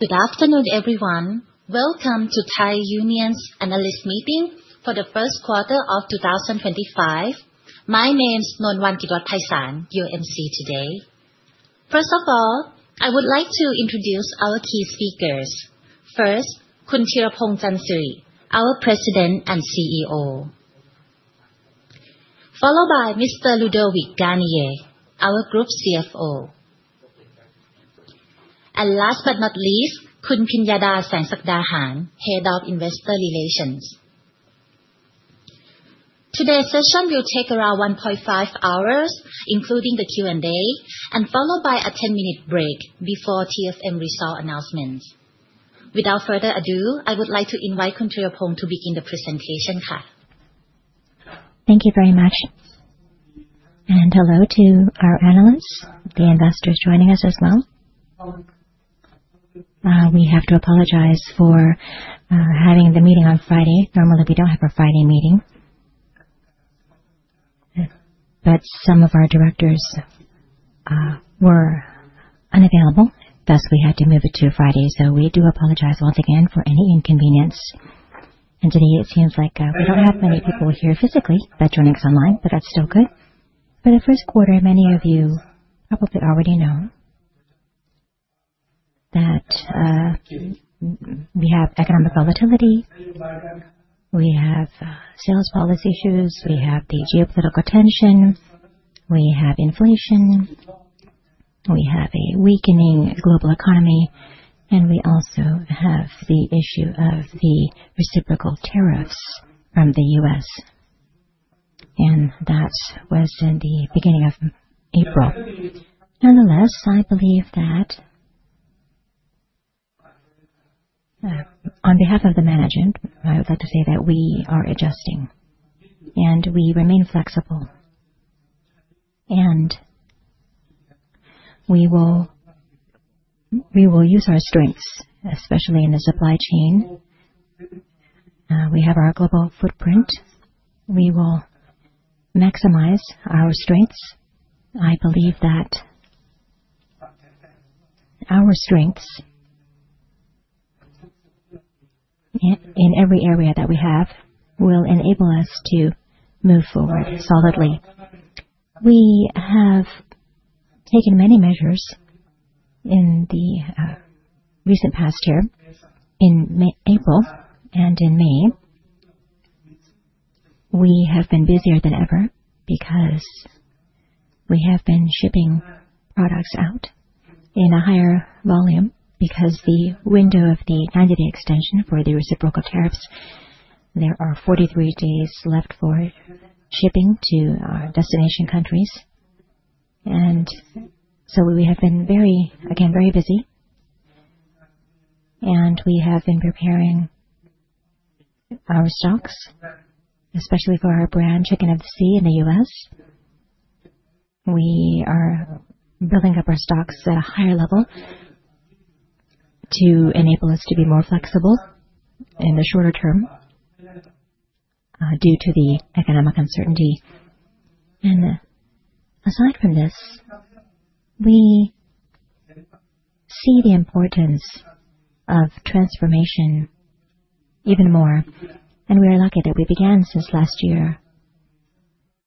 Good afternoon, everyone. Welcome to Thai Union's Analyst Meeting for the First Quarter of 2025. My name is Nornwan Kidot Paisan, your Emcee today. First of all, I would like to introduce our key speakers. First, Khun Thiraphong Chansri, our President and CEO, followed by Mr. Ludovic Garnier, our Group CFO. And last but not least, Khun Pinyada Saengsakdahan, Head of Investor Relations. Today's session will take around 1.5 hours, including the Q&A, and followed by a 10-minute break before TFM result announcements. Without further ado, I would like to invite Khun Thiraphong to begin the presentation. Thank you very much. Hello to our analysts, the investors joining us as well. We have to apologize for having the meeting on Friday. Normally, we do not have a Friday meeting. Some of our directors were unavailable, thus we had to move it to Friday. We do apologize once again for any inconvenience. Today, it seems like we do not have many people here physically, but joining us online, but that is still good. For the First Quarter, many of you probably already know that we have economic volatility, we have sales policy issues, we have the geopolitical tensions, we have inflation, we have a weakening global economy, and we also have the issue of the reciprocal tariffs from the US. That was in the beginning of April. Nonetheless, I believe that on behalf of the management, I would like to say that we are adjusting and we remain flexible. We will use our strengths, especially in the supply chain. We have our global footprint. We will maximize our strengths. I believe that our strengths in every area that we have will enable us to move forward solidly. We have taken many measures in the recent past year, in April and in May. We have been busier than ever because we have been shipping products out in a higher volume because of the window of the 90-day extension for the reciprocal tariffs. There are 43 days left for shipping to our destination countries. We have been very, again, very busy. We have been preparing our stocks, especially for our brand, Chicken of the Sea in the US. We are building up our stocks at a higher level to enable us to be more flexible in the shorter term due to the economic uncertainty. Aside from this, we see the importance of transformation even more. We are lucky that we began since last year.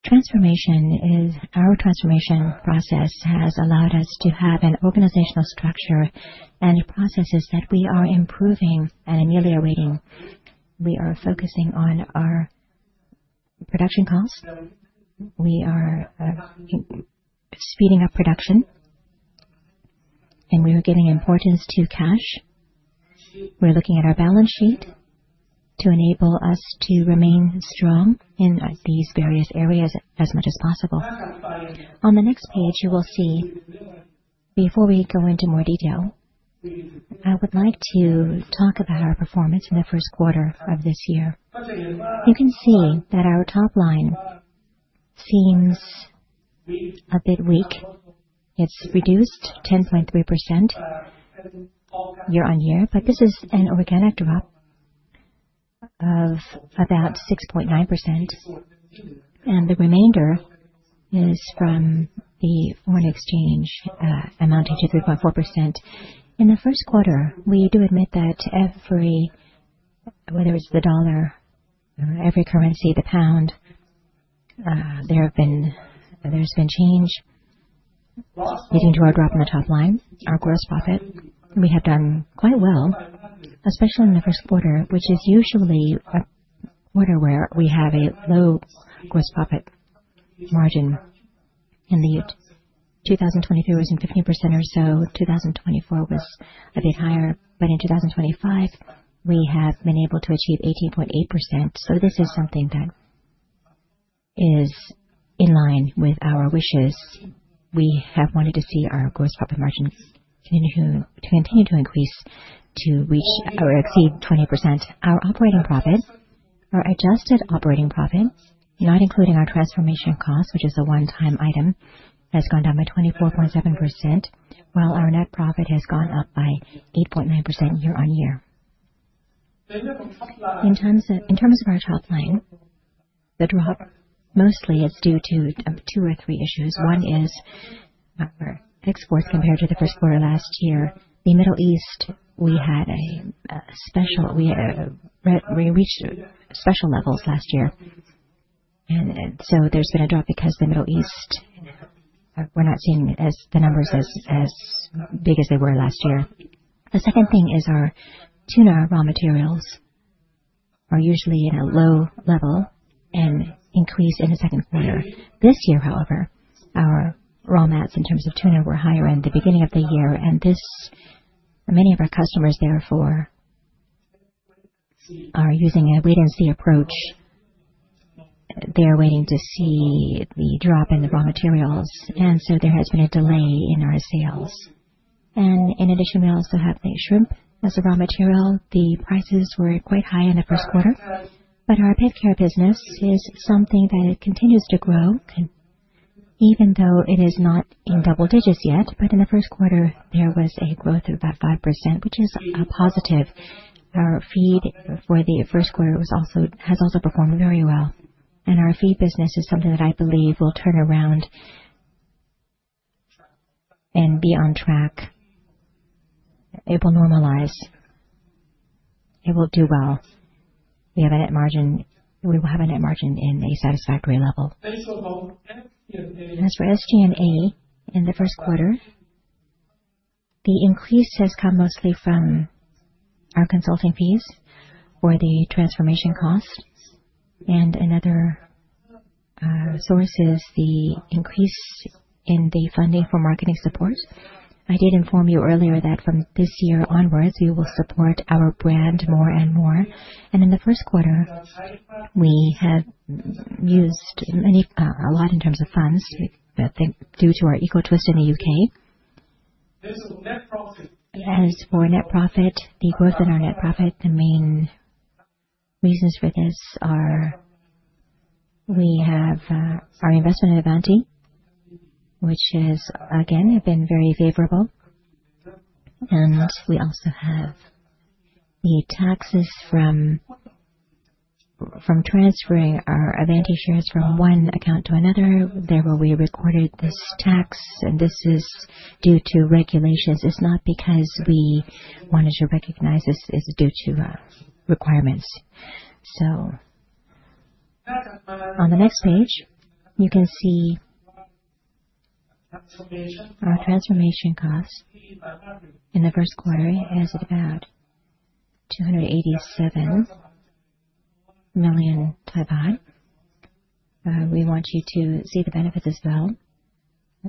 Transformation is our transformation process has allowed us to have an organizational structure and processes that we are improving and ameliorating. We are focusing on our production costs. We are speeding up production, and we are giving importance to cash. We're looking at our balance sheet to enable us to remain strong in these various areas as much as possible. On the next page, you will see before we go into more detail, I would like to talk about our performance in the First Quarter of this year. You can see that our top line seems a bit weak. It's reduced 10.3% year-on-year, but this is an organic drop of about 6.9%. The remainder is from the foreign exchange amounting to 3.4%. In the First Quarter, we do admit that every, whether it's the dollar, every currency, the pound, there's been change leading to our drop in the top line, our Gross Profit. We have done quite well, especially in the First Quarter, which is usually a quarter where we have a low Gross Profit Margin. In 2023, it was 15% or so. 2024 was a bit higher, but in 2025, we have been able to achieve 18.8%. This is something that is in line with our wishes. We have wanted to see our Gross Profit Margin continue to increase to reach or exceed 20%. Our Operating Profits, our Adjusted Operating Profits, not including our transformation costs, which is a one-time item, has gone down by 24.7%, while our net profit has gone up by 8.9% year-on-year. In terms of our top line, the drop mostly is due to two or three issues. One is our exports compared to the First Quarter last year. The Middle East, we had a special, we reached special levels last year. There has been a drop because the Middle East, we're not seeing the numbers as big as they were last year. The second thing is our tuna raw materials are usually at a low level and increased in the Second Quarter. This year, however, our raw mats in terms of tuna were higher in the beginning of the year. Many of our customers, therefore, are using a wait-and-see approach. They are waiting to see the drop in the raw materials. There has been a delay in our sales. In addition, we also have the shrimp as a raw material. The prices were quite high in the First Quarter, but our PetCare business is something that continues to grow, even though it is not in double digits yet. In the First Quarter, there was a growth of about 5%, which is a positive. Our Feed for the First Quarter has also performed very well. Our Feed business is something that I believe will turn around and be on track. It will normalize. It will do well. We have a Net Margin. We will have a Net Margin in a satisfactory level. As for SG&A in the First Quarter, the increase has come mostly from our consulting fees for the transformation costs. Another source is the increase in the funding for marketing support. I did inform you earlier that from this year onwards, we will support our brand more and more. In the First Quarter, we have used a lot in terms of funds due to our Eco Twist in the U.K. As for Net Profit, the growth in our net profit, the main reasons for this are we have our investment advantage, which has again been very favorable. We also have the taxes from transferring our advantage shares from one account to another. Therefore, we recorded this tax, and this is due to regulations. It's not because we wanted to recognize this, it's due to requirements. On the next page, you can see our transformation costs. In the First Quarter, it has about 287 million. We want you to see the benefits as well,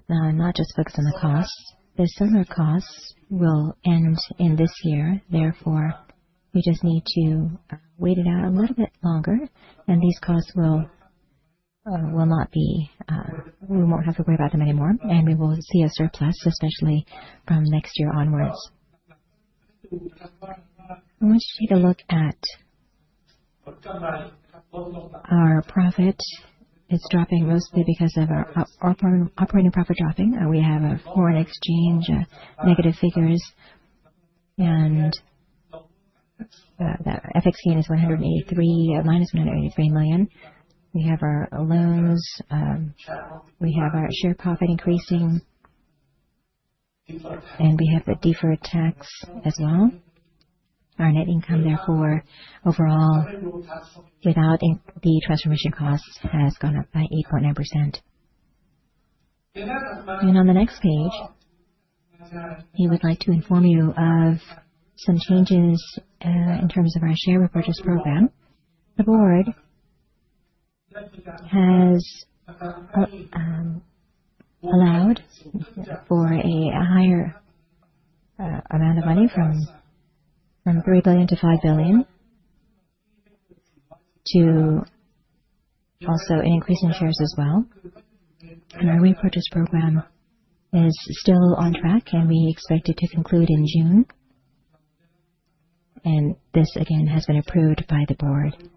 not just focus on the costs. The similar costs will end in this year. Therefore, we just need to wait it out a little bit longer, and these costs will not be—we will not have to worry about them anymore, and we will see a surplus, especially from next year onwards. I want you to take a look at our profit. It is dropping mostly because of our operating profit dropping. We have a foreign exchange negative figures, and the FX gain is $183 million, minus $183 million. We have our loans. We have our share profit increasing, and we have the deferred tax as well. Our net income, therefore, overall, without the transformation costs, has gone up by 8.9%. On the next page, I would like to inform you of some changes in terms of our share purchase program. The board has allowed for a higher amount of money from $3 billion to $5 billion to also an increase in shares as well. Our repurchase program is still on track, and we expect it to conclude in June. This, again, has been approved by the board.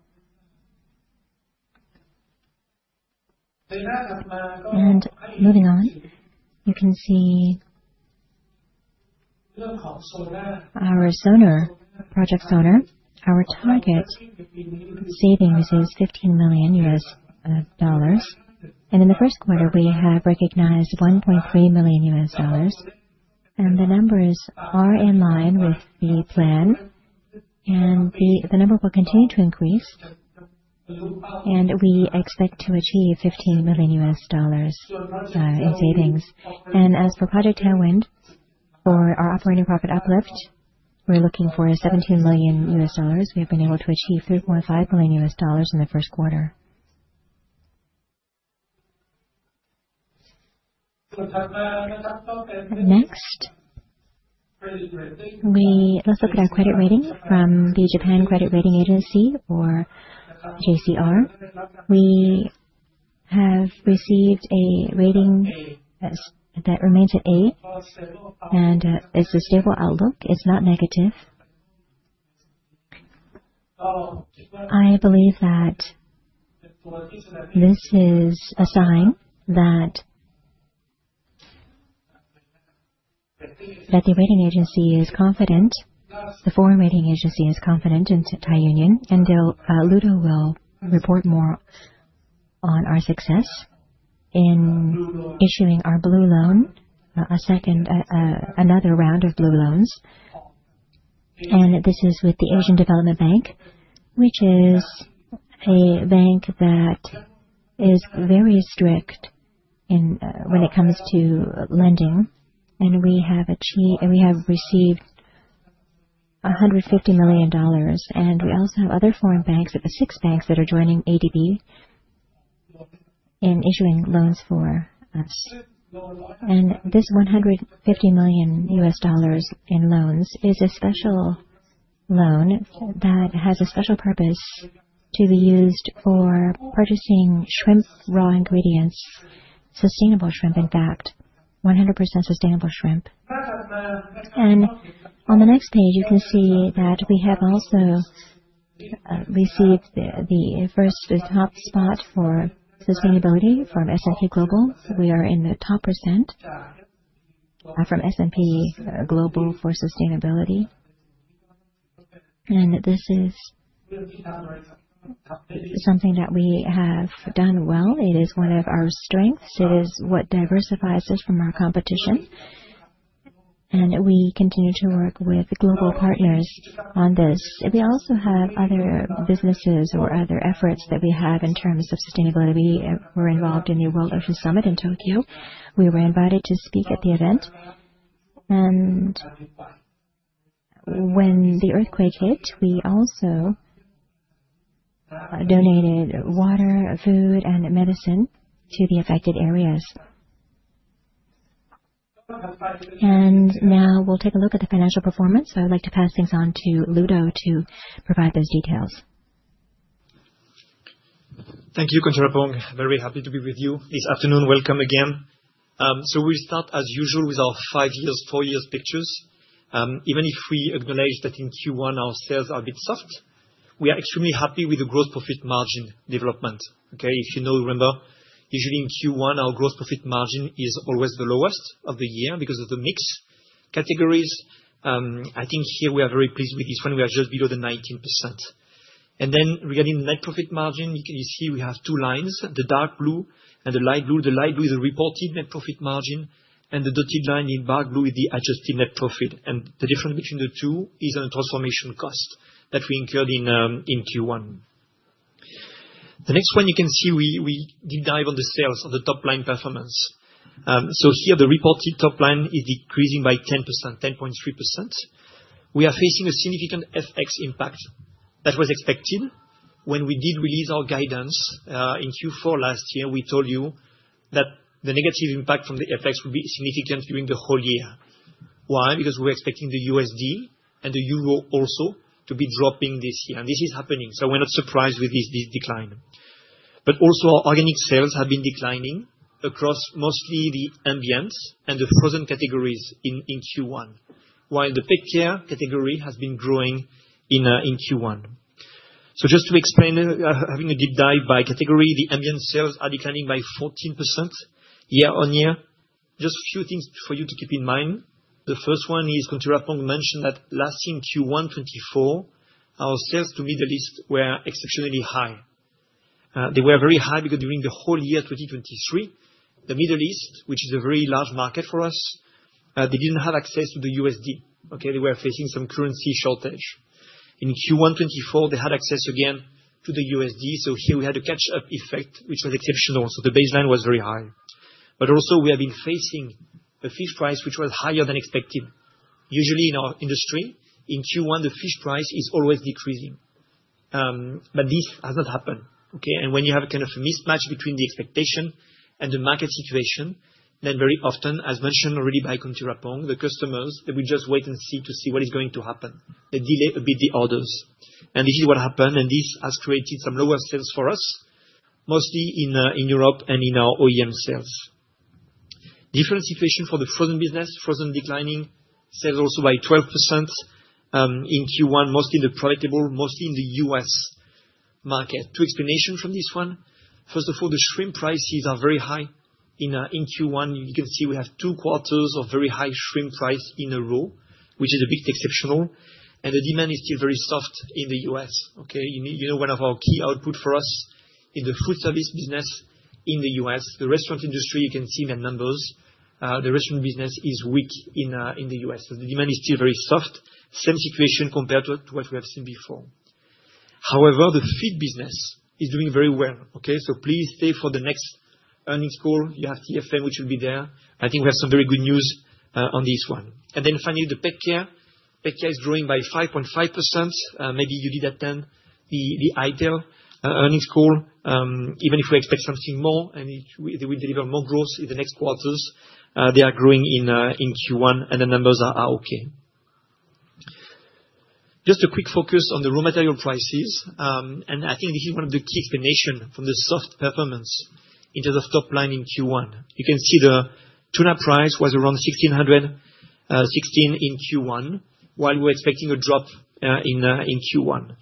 Moving on, you can see our project owner. Our target savings is $15 million. In the First Quarter, we have recognized $1.3 million. The numbers are in line with the plan, and the number will continue to increase. We expect to achieve $15 million in savings. As for Project Tailwind, for our operating profit uplift, we're looking for $17 million. We have been able to achieve $3.5 million in the First Quarter. Next, we let's look at our credit rating from the Japan Credit Rating Agency, or JCR. We have received a rating that remains at A, and it's a stable outlook. It's not negative. I believe that this is a sign that the rating agency is confident, the foreign rating agency is confident in Thai Union, and Ludo will report more on our success in issuing our blue loan, another round of blue loans. This is with the Asian Development Bank, which is a bank that is very strict when it comes to lending. We have received $150 million, and we also have other foreign banks, six banks that are joining ADB in issuing loans for us. This $150 million in loans is a special loan that has a special purpose to be used for purchasing shrimp raw ingredients, sustainable shrimp, in fact, 100% sustainable shrimp. On the next page, you can see that we have also received the first top spot for Sustainability from S&P Global. We are in the top % from S&P Global for Sustainability. This is something that we have done well. It is one of our strengths. It is what diversifies us from our competition. We continue to work with global partners on this. We also have other businesses or other efforts that we have in terms of sustainability. We were involved in the World Ocean Summit in Tokyo. We were invited to speak at the event. When the earthquake hit, we also donated water, food, and medicine to the affected areas. Now we'll take a look at the financial performance. I would like to pass things on to Ludovic to provide those details. Thank you, Khun Phong. Very happy to be with you this afternoon. Welcome again. We will start, as usual, with our five years, four years pictures. Even if we acknowledge that in Q1 our sales are a bit soft, we are extremely happy with the gross profit margin development. If you know, remember, usually in Q1 our gross profit margin is always the lowest of the year because of the mixed categories. I think here we are very pleased with this one. We are just below the 19%. And then regarding the net profit margin, you can see we have two lines, the dark blue and the light blue. The light blue is the reported Net Profit Margin, and the dotted line in dark blue is the Adjusted Net Profit. The difference between the two is on the transformation cost that we incurred in Q1. The next one, you can see we deep dive on the sales, on the top line performance. Here, the reported top line is decreasing by 10%, 10.3%. We are facing a significant FX impact that was expected. When we did release our guidance in Q4 last year, we told you that the negative impact from the FX would be significant during the whole year. Why? Because we were expecting the USD and the Euro also to be dropping this year. This is happening. We are not surprised with this decline. But also, our organic sales have been declining across mostly the Ambient and the Frozen categories in Q1, while the PetCare category has been growing in Q1. Just to explain, having a deep dive by category, the Ambient sales are declining by 14% year-on-year. Just a few things for you to keep in mind. The first one is Khun Phong mentioned that last year, in Q1 2024, our sales to the Middle East were exceptionally high. They were very high because during the whole year 2023, the Middle East, which is a very large market for us, they did not have access to the USD. Okay, they were facing some currency shortage. In Q1 2024, they had access again to the USD. Here, we had a catch-up effect, which was exceptional. The baseline was very high. Also, we have been facing a fish price, which was higher than expected. Usually, in our industry, in Q1, the fish price is always decreasing. This has not happened. When you have a kind of a mismatch between the expectation and the market situation, then very often, as mentioned already by Khun Phong, the customers, they will just wait and see to see what is going to happen. They delay a bit the orders. This is what happened. This has created some lower sales for us, mostly in Europe and in our OEM sales. Different situation for the Frozen business, Frozen declining sales also by 12% in Q1, mostly in the profitable, mostly in the US market. Two explanations from this one. First of all, the shrimp prices are very high in Q1. You can see we have two quarters of very high shrimp price in a row, which is a bit exceptional. The demand is still very soft in the U.S. Okay, you know one of our key outputs for us in the food service business in the U.S., the restaurant industry, you can see in the numbers, the restaurant business is weak in the U.S. The demand is still very soft. Same situation compared to what we have seen before. However, the Feed business is doing very well. Okay, please stay for the next earnings call. You have TFM, which will be there. I think we have some very good news on this one. Finally, the PetCare, PetCare is growing by 5.5%. Maybe you did attend the ITEL earnings call. Even if we expect something more and they will deliver more growth in the next quarters, they are growing in Q1 and the numbers are okay. Just a quick focus on the raw material prices. I think this is one of the key explanations for the soft performance in terms of top line in Q1. You can see the tuna price was around $1,616 in Q1, while we were expecting a drop in Q1.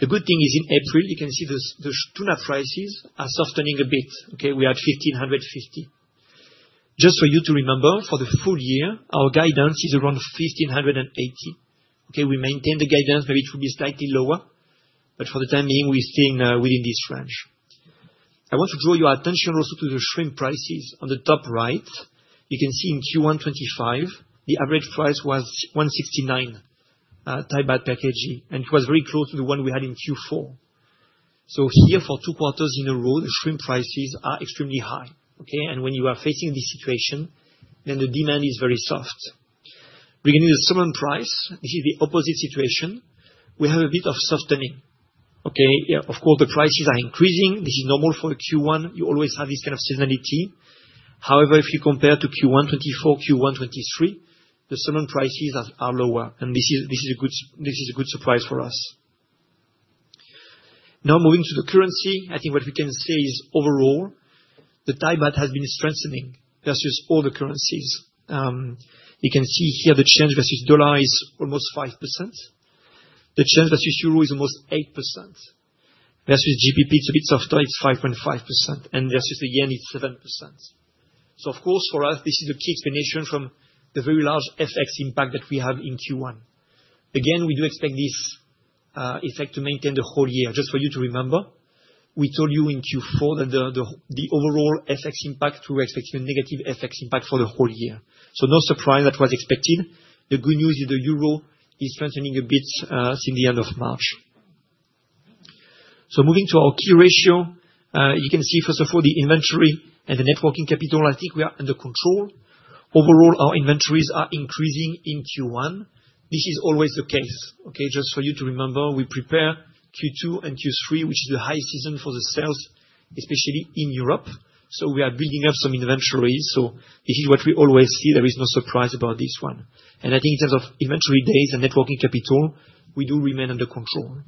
The good thing is in April, you can see the tuna prices are softening a bit. We are at $1,550. Just for you to remember, for the full year, our guidance is around $1,580. We maintain the guidance. Maybe it will be slightly lower, but for the time being, we're staying within this range. I want to draw your attention also to the shrimp prices. On the top right, you can see in Q1 2025, the average price was 169 baht per kg, and it was very close to the one we had in Q4. Here, for two quarters in a row, the shrimp prices are extremely high. Okay, and when you are facing this situation, then the demand is very soft. Regarding the summer price, this is the opposite situation. We have a bit of softening. Okay, of course, the prices are increasing. This is normal for Q1. You always have this kind of seasonality. However, if you compare to Q1 2024, Q1 2023, the summer prices are lower, and this is a good surprise for us. Now moving to the currency, I think what we can say is overall, the Thai Baht has been strengthening versus all the currencies. You can see here the change versus dollar is almost 5%. The change versus Euro is almost 8%. Versus GBP, it's a bit softer. It's 5.5%, and versus the Yen, it's 7%. Of course, for us, this is a key explanation from the very large FX impact that we have in Q1. Again, we do expect this effect to maintain the whole year. Just for you to remember, we told you in Q4 that the overall FX impact, we were expecting a negative FX impact for the whole year. No surprise, that was expected. The good news is the Euro is strengthening a bit since the end of March. Moving to our key ratio, you can see first of all, the inventory and the networking capital. I think we are under control. Overall, our inventories are increasing in Q1. This is always the case. Okay, just for you to remember, we prepare Q2 and Q3, which is the high season for the sales, especially in Europe. We are building up some inventories. This is what we always see. There is no surprise about this one. I think in terms of Inventory Days and Net Working Capital, we do remain under control.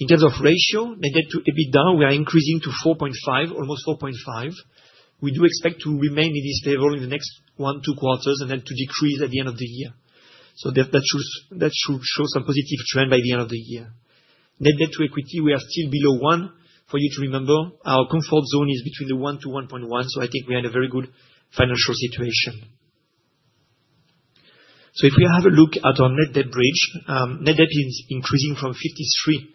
In terms of ratio, Net Debt-to-EBITDA, we are increasing to 4.5, almost 4.5. We do expect to remain in this level in the next one to two quarters and then to decrease at the end of the year. That should show some positive trend by the end of the year. Net Debt-to-Equity, we are still below one. For you to remember, our comfort zone is between 1-1.1. I think we are in a very good financial situation. If we have a look at our net debt bridge, net debt is increasing from 53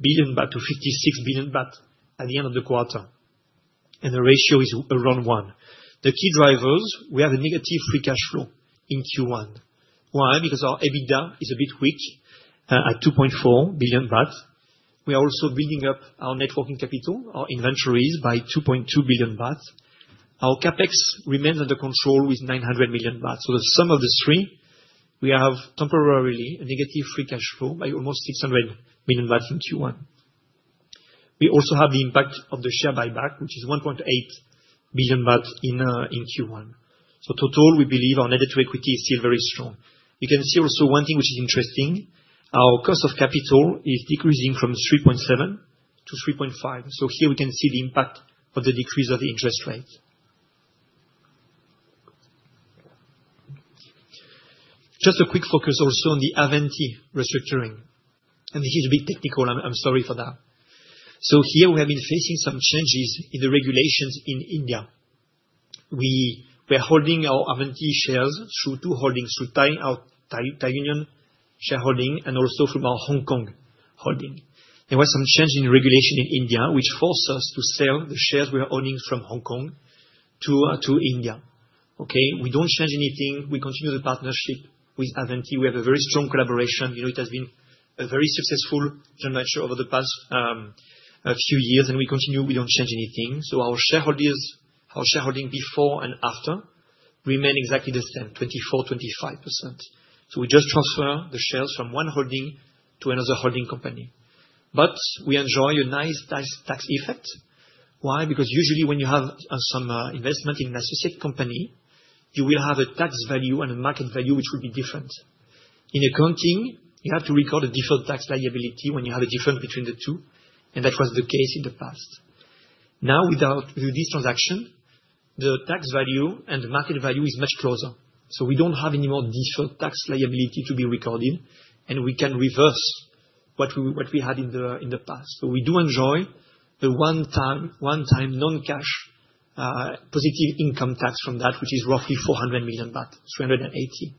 billion baht to 56 billion baht at the end of the quarter. The ratio is around one. The key drivers, we have a negative Free Cash flow in Q1. Why? Because our EBITDA is a bit weak at 2.4 billion baht. We are also building up our net working capital, our inventories by 2.2 billion baht. Our CapEx remains under control with 900 million baht. The sum of the three, we have temporarily a negative free cash flow by almost 600 million baht in Q1. We also have the impact of the share buyback, which is 1.8 billion baht in Q1. Total, we believe our net debt to equity is still very strong. You can see also one thing which is interesting. Our Cost of Capital is decreasing from 3.7% to 3.5%. Here we can see the impact of the decrease of the interest rate. Just a quick focus also on the Avanti restructuring. This is a bit technical. I'm sorry for that. Here we have been facing some changes in the regulations in India. We were holding our Avanti shares through two holdings, through Thai Union shareholding and also through our Hong Kong holding. There was some change in regulation in India, which forced us to sell the shares we were owning from Hong Kong to India. Okay, we don't change anything. We continue the partnership with Avanti. We have a very strong collaboration. You know, it has been a very successful joint venture over the past few years, and we continue. We don't change anything. Our shareholders, our shareholding before and after remain exactly the same, 24% to 25%. We just transfer the shares from one holding to another holding company. We enjoy a nice tax effect. Why? Because usually when you have some investment in an associate company, you will have a tax value and a market value which will be different. In accounting, you have to record a Defered Tax Liability when you have a difference between the two. That was the case in the past. Now, with this transaction, the tax value and the market value is much closer. We do not have any more Defered Tax Liability to be recorded, and we can reverse what we had in the past. We do enjoy the one-time non-cash positive income tax from that, which is roughly 400 million baht, 380 million.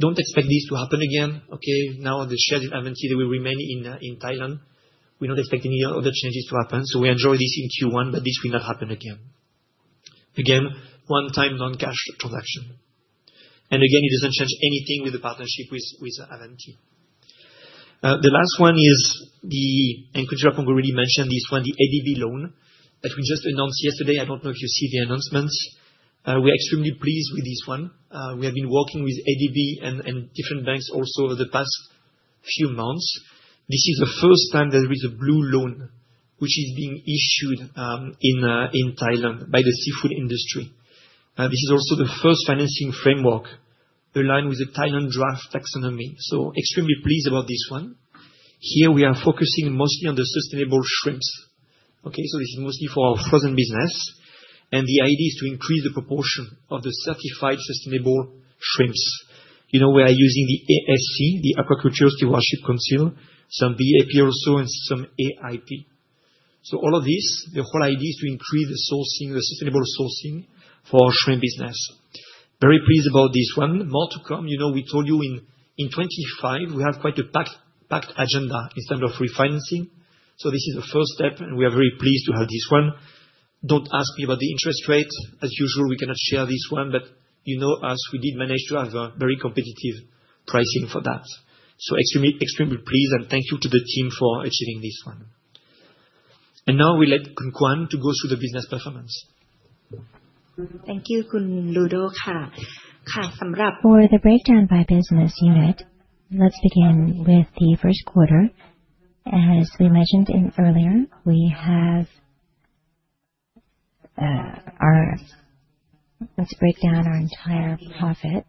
Do not expect this to happen again. Okay, now the shares in Avanti, they will remain in Thailand. We do not expect any other changes to happen. We enjoy this in Q1, but this will not happen again. Again, one-time non-cash transaction. Again, it does not change anything with the partnership with Avanti. The last one is the, and Khun Phong already mentioned this one, the ADB loan that we just announced yesterday. I do not know if you see the announcements. We are extremely pleased with this one. We have been working with ADB and different banks also over the past few months. This is the first time there is a blue loan which is being issued in Thailand by the seafood industry. This is also the first financing framework aligned with the Thailand draft taxonomy. Extremely pleased about this one. Here we are focusing mostly on the sustainable shrimps. Okay, so this is mostly for our Frozen business. The idea is to increase the proportion of the certified sustainable shrimps. You know, we are using the ASC, the Aquaculture Stewardship Council, some BAP also, and some AIP. All of this, the whole idea is to increase the sourcing, the sustainable sourcing for our shrimp business. Very pleased about this one. More to come. You know, we told you in 2025, we have quite a packed agenda in terms of refinancing. This is the first step, and we are very pleased to have this one. Do not ask me about the interest rate. As usual, we cannot share this one, but you know, we did manage to have a very competitive pricing for that. Extremely pleased and thank you to the team for achieving this one. Now we let Khun Quan go through the business performance. Thank you, Khun Ludo. ค่ะค่ะสําหรับ For the breakdown by business unit, let's begin with the First Quarter. As we mentioned earlier, we have our—let's break down our entire profit.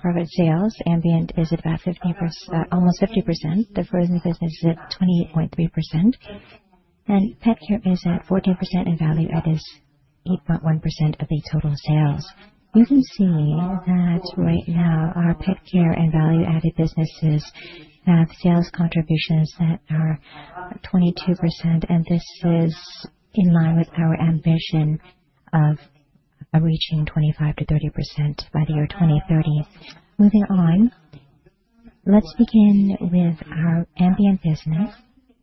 Profit sales, ambient is about 50%, almost 50%. The Frozen business is at 28.3%, and PetCare is at 14%, and Value Add is 8.1% of the total sales. You can see that right now our PetCare and value added businesses have sales contributions that are 22%, and this is in line with our ambition of reaching 25-30% by the year 2030. Moving on, let's begin with our Ambient business.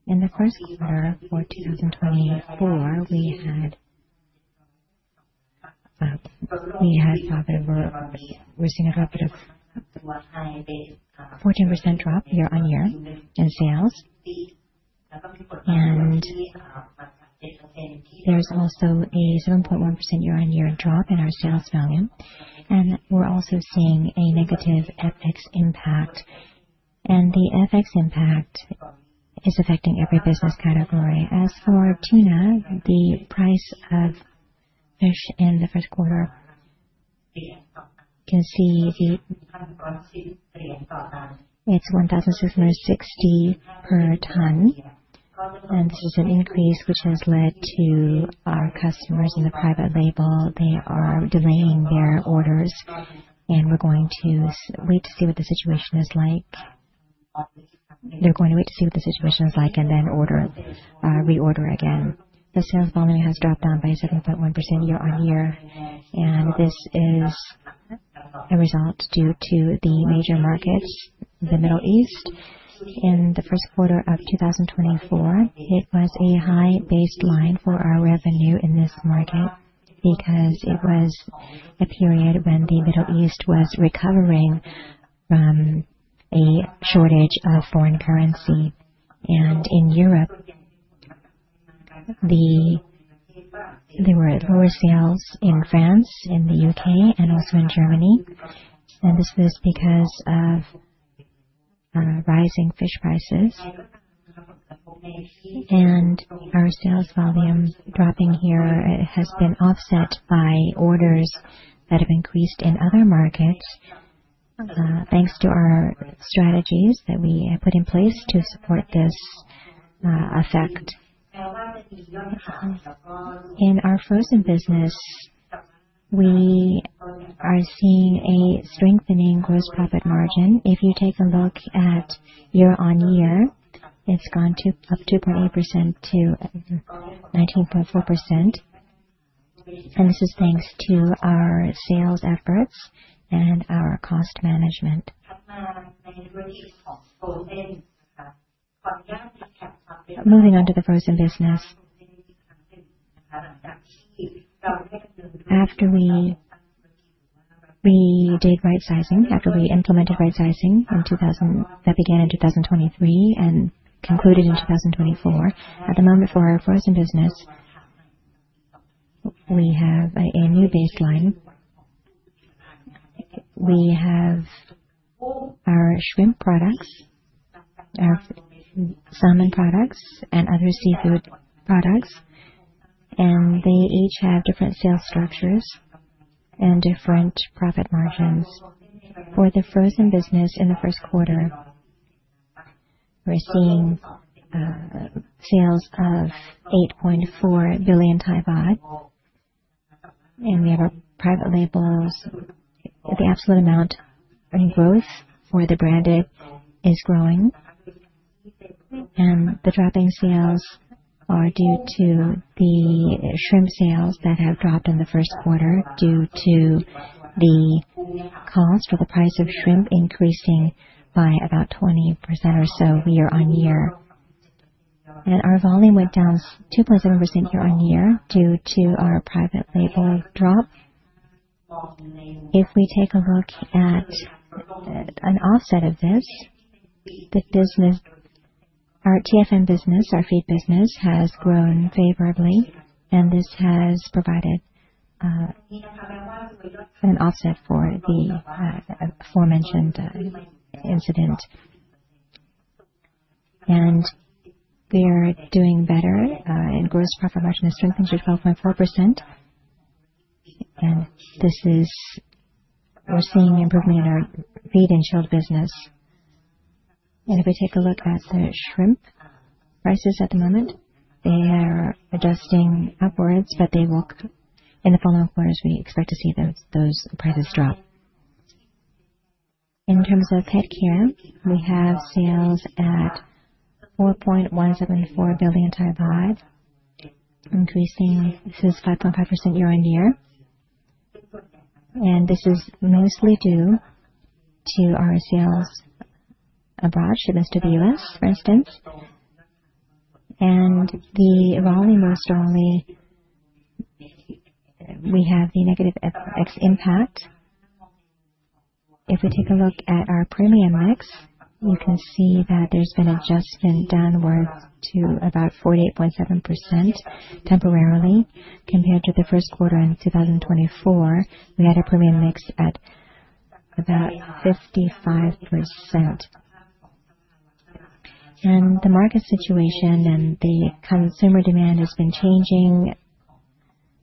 In the First Quarter for 2024, we had a—we had a profit—we're seeing a profit of 14% drop year-on-year in sales. There is also a 7.1% year-on-year drop in our sales volume. We are also seeing a negative FX impact. The FX impact is affecting every business category. As for tuna, the price of fish in the First Quarter, you can see it is $1,660 per ton. This is an increase which has led to our customers in the private label; they are delaying their orders, and we are going to wait to see what the situation is like. They are going to wait to see what the situation is like and then order, reorder again. The sales volume has dropped down by 7.1% year-on-year, and this is a result due to the major markets, the Middle East. In the First Quarter of 2024, it was a high baseline for our revenue in this market because it was a period when the Middle East was recovering from a shortage of foreign currency. In Europe, there were lower sales in France, in the U.K., and also in Germany. This was because of rising fish prices. Our sales volume dropping here has been offset by orders that have increased in other markets thanks to our strategies that we put in place to support this effect. In our Frozen business, we are seeing a strengthening gross profit margin. If you take a look at year-on-year, it has gone up 2.8% to 19.4%. This is thanks to our sales efforts and our cost management. Moving on to the Frozen business, after we did right sizing, after we implemented right sizing that began in 2023 and concluded in 2024, at the moment for our Frozen business, we have a new baseline. We have our shrimp products, our salmon products, and other seafood products, and they each have different sales structures and different profit margins. For the Frozen business in the First Quarter, we're seeing sales of 8.4 billion baht, and we have our private labels. The absolute amount in growth for the branded is growing, and the dropping sales are due to the shrimp sales that have dropped in the First Quarter due to the cost or the price of shrimp increasing by about 20% or so year-on-year. Our volume went down 2.7% year-on-year due to our private label drop. If we take a look at an offset of this, the business, our TFM business, our Feed business has grown favorably, and this has provided an offset for the aforementioned incident. We are doing better in Gross Profit Margin has strengthened to 12.4%. This is, we're seeing improvement in our Feed and shell business. If we take a look at the shrimp prices at the moment, they are adjusting upwards, but they will, in the following quarters, we expect to see those prices drop. In terms of PetCare, we have sales at 4.174 billion baht, increasing; this is 5.5% year-on-year. This is mostly due to our sales abroad shipments to the US, for instance. The volume most strongly, we have the negative FX impact. If we take a look at our premium mix, you can see that there's been an adjustment downward to about 48.7% temporarily. Compared to the First Quarter in 2024, we had a premium mix at about 55%. The market situation and the consumer demand has been changing.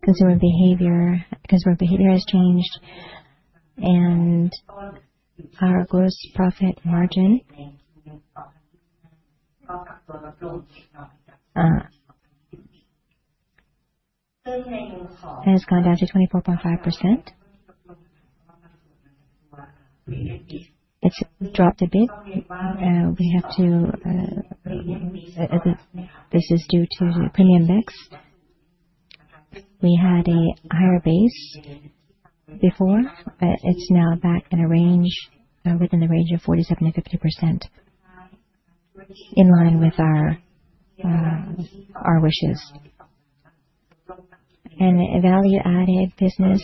Consumer behavior, consumer behavior has changed, and our gross profit margin has gone down to 24.5%. It's dropped a bit. We have to, this is due to the premium mix. We had a higher base before, but it's now back in a range, within the range of 47% to 50%, in line with our wishes. Value-added business,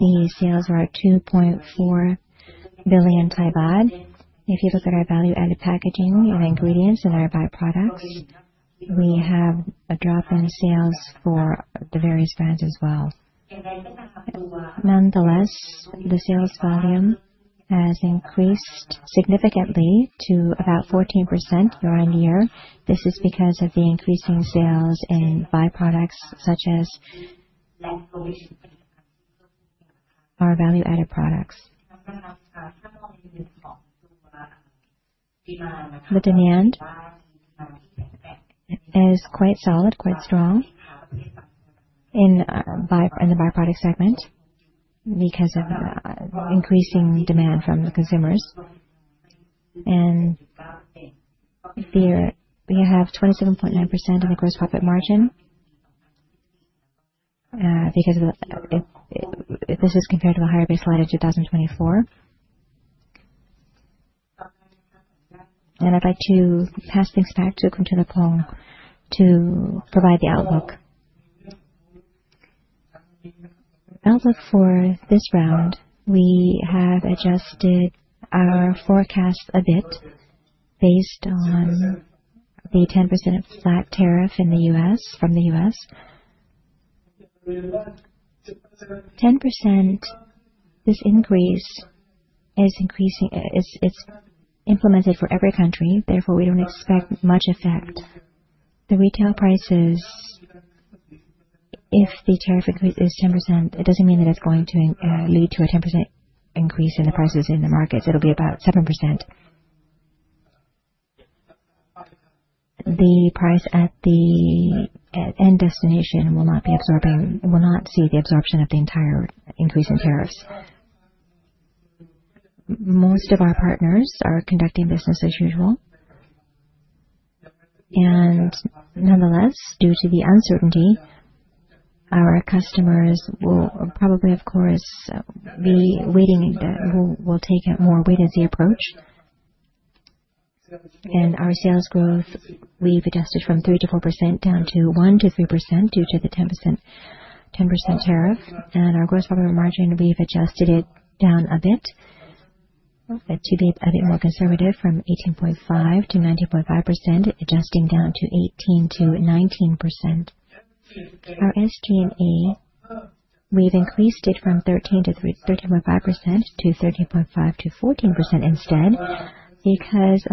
the sales are 2.4 billion baht. If you look at our value-added packaging and ingredients and our byproducts, we have a drop in sales for the various brands as well. Nonetheless, the sales volume has increased significantly to about 14% year-on-year. This is because of the increasing sales in byproducts such as our value-added products. The demand is quite solid, quite strong in the byproduct segment because of increasing demand from the consumers. We have 27.9% in the gross profit margin because this is compared to a higher baseline in 2024. I'd like to pass things back to Khun Thiraphong to provide the outlook. Outlook for this round, we have adjusted our forecast a bit based on the 10% flat tariff in the U.S., from the U.S. 10%, this increase is increasing, it's implemented for every country. Therefore, we don't expect much effect. The retail prices, if the tariff increase is 10%, it doesn't mean that it's going to lead to a 10% increase in the prices in the markets. It'll be about 7%. The price at the end destination will not be absorbing, will not see the absorption of the entire increase in tariffs. Most of our partners are conducting business as usual. Nonetheless, due to the uncertainty, our customers will probably, of course, be waiting, will take a more wait-and-see approach. Our sales growth, we've adjusted from 3%-4% down to 1%-3% due to the 10% tariff. Our Gross Profit Margin, we've adjusted it down a bit to be a bit more conservative from 18.5%-19.5%, adjusting down to 18%-19%. Our SG&A, we've increased it from 13-13.5% to 13.5-14% instead because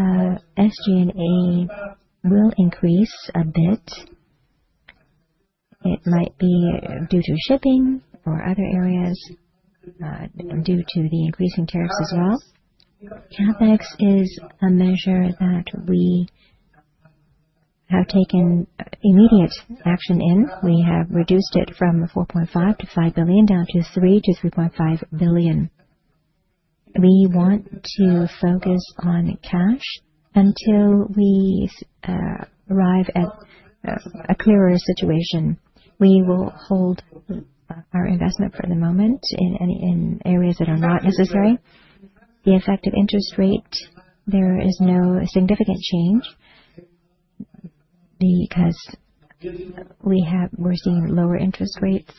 SG&A will increase a bit. It might be due to shipping or other areas due to the increasing tariffs as well. CapEx is a measure that we have taken immediate action in. We have reduced it from $4.5 billion-$5 billion down to $3 billion-$3.5 billion. We want to focus on cash until we arrive at a clearer situation. We will hold our investment for the moment in areas that are not necessary. The effect of interest rate, there is no significant change because we're seeing lower interest rates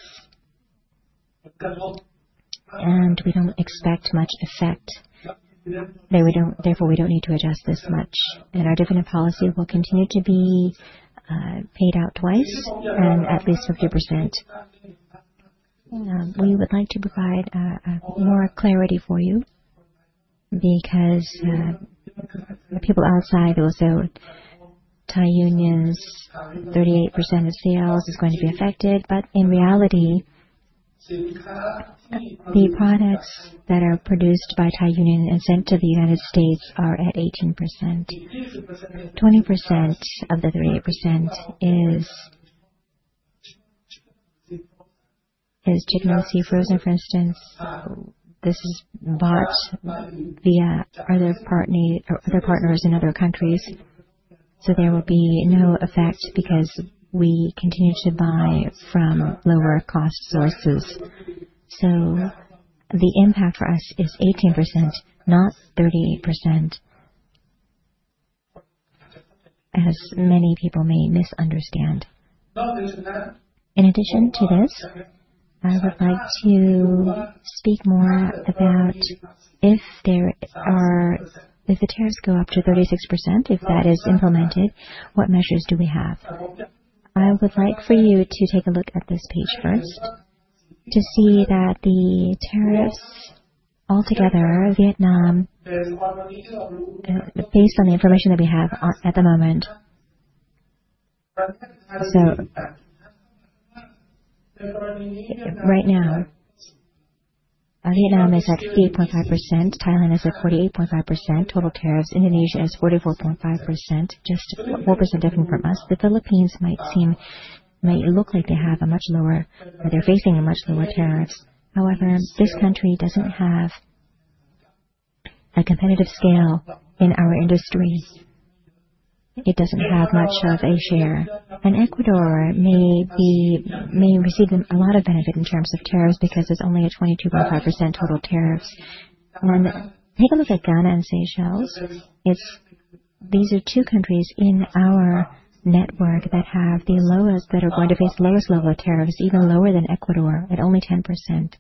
and we don't expect much effect. Therefore, we don't need to adjust this much. Our dividend policy will continue to be paid out twice and at least 50%. We would like to provide more clarity for you because people outside will say, "Thai Union's 38% of sales is going to be affected," but in reality, the products that are produced by Thai Union and sent to the U.S. are at 18%. 20% of the 38% is Chicken of the Sea Frozen, for instance. This is bought via other partners in other countries. There will be no effect because we continue to buy from lower cost sources. The impact for us is 18%, not 38%, as many people may misunderstand. In addition to this, I would like to speak more about if the tariffs go up to 36%, if that is implemented, what measures do we have. I would like for you to take a look at this page first to see that the tariffs altogether, Vietnam, based on the information that we have at the moment. Right now, Vietnam is at 8.5%, Thailand is at 48.5% total tariffs, Indonesia is 44.5%, just 4% different from us. The Philippines might seem, might look like they have a much lower, they're facing a much lower tariffs. However, this country doesn't have a competitive scale in our industry. It doesn't have much of a share. Ecuador may receive a lot of benefit in terms of tariffs because it's only a 22.5% total tariffs. Take a look at Ghana and Seychelles. These are two countries in our network that have the lowest, that are going to face the lowest level of tariffs, even lower than Ecuador at only 10%.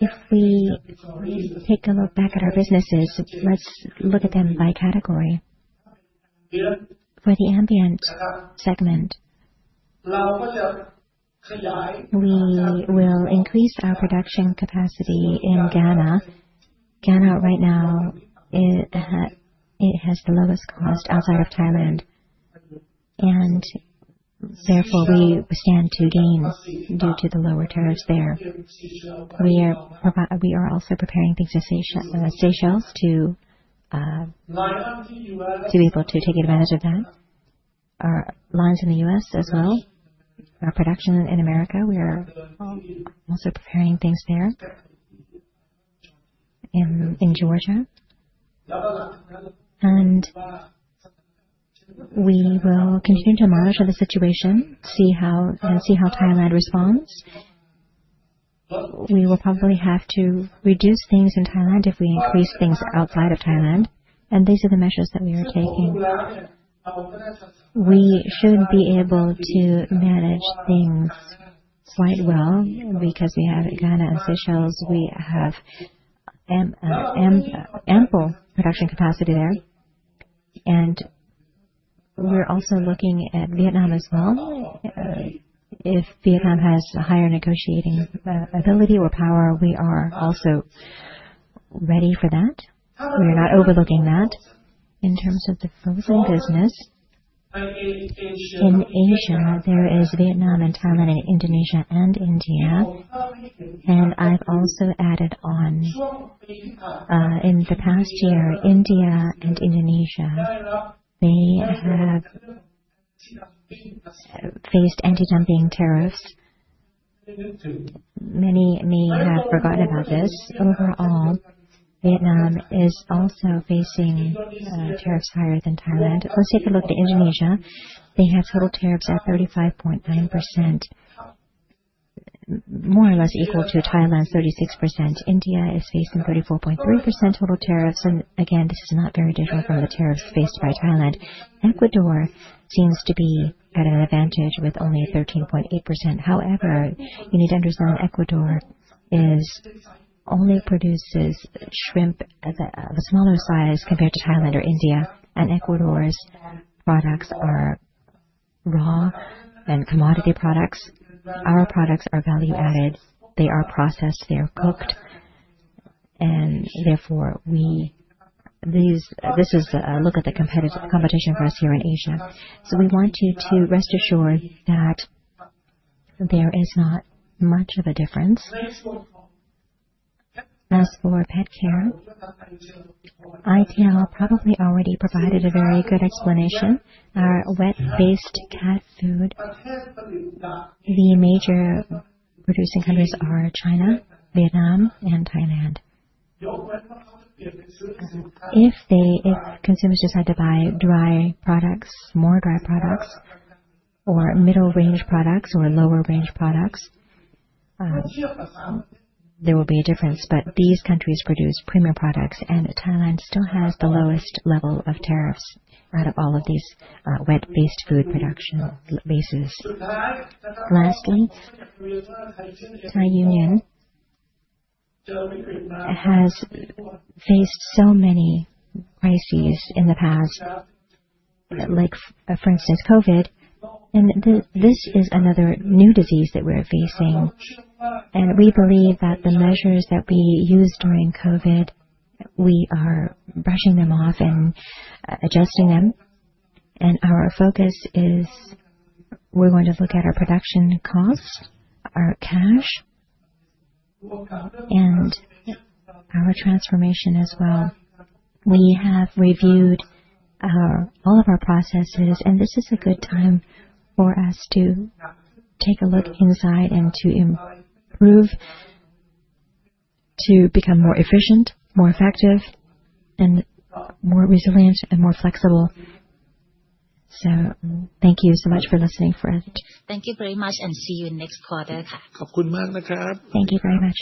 If we take a look back at our businesses, let's look at them by category. For the ambient segment, we will increase our production capacity in Ghana. Ghana right now, it has the lowest cost outside of Thailand. Therefore, we stand to gain due to the lower tariffs there. We are also preparing things at Seychelles to be able to take advantage of that. Our lines in the U.S. as well, our production in America, we are also preparing things there in Georgia. We will continue to monitor the situation, see how Thailand responds. We will probably have to reduce things in Thailand if we increase things outside of Thailand. These are the measures that we are taking. We should be able to manage things quite well because we have Ghana and Seychelles, we have ample production capacity there. We are also looking at Vietnam as well. If Vietnam has a higher negotiating ability or power, we are also ready for that. We are not overlooking that. In terms of the Frozen business, in Asia, there is Vietnam and Thailand and Indonesia and India. I have also added on, in the past year, India and Indonesia, they have faced anti-dumping tariffs. Many may have forgotten about this. Overall, Vietnam is also facing tariffs higher than Thailand. Let's take a look at Indonesia. They have total tariffs at 35.9%, more or less equal to Thailand's 36%. India is facing 34.3% total tariffs. Again, this is not very different from the tariffs faced by Thailand. Ecuador seems to be at an advantage with only 13.8%. However, you need to understand that Ecuador only produces shrimp of a smaller size compared to Thailand or India. Ecuador's products are raw and commodity products. Our products are value-added. They are processed, they are cooked. Therefore, this is a look at the competition for us here in Asia. We want you to rest assured that there is not much of a difference. As for PetCare, ITL probably already provided a very good explanation. Our wet-based cat food, the major producing countries are China, Vietnam, and Thailand. If consumers decide to buy dry products, more dry products, or middle-range products or lower-range products, there will be a difference. These countries produce premium products, and Thailand still has the lowest level of tariffs out of all of these wet-based food production bases. Lastly, Thai Union has faced so many crises in the past, like for instance, COVID. This is another new disease that we're facing. We believe that the measures that we used during COVID, we are brushing them off and adjusting them. Our focus is we're going to look at our production costs, our cash, and our transformation as well. We have reviewed all of our processes, and this is a good time for us to take a look inside and to improve, to become more efficient, more effective, more resilient, and more flexible. Thank you so much for listening, friend. Thank you very much, and see you next quarter. ขอบคุณมากนะครับ. Thank you very much.